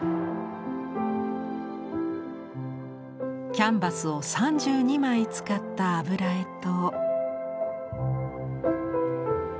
キャンバスを３２枚使った油絵と。